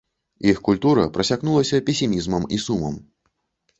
Іх культура прасякнулася песімізмам і сумам.